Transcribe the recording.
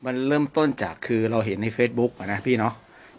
มันเริ่มต้นจากคือเราเห็นในเฟซบุ๊กอ่ะนะพี่เนาะ